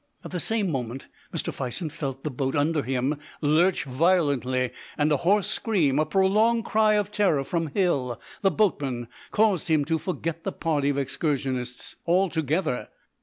At the same moment Mr. Fison felt the boat under him lurch violently, and a hoarse scream, a prolonged cry of terror from Hill, the boatman, caused him to forget the party of excursionists altogether.